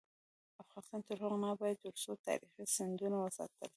افغانستان تر هغو نه ابادیږي، ترڅو تاریخي سندونه وساتل نشي.